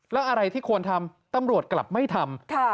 แล้วอะไรที่ควรทำตำรวจกลับไม่ทำ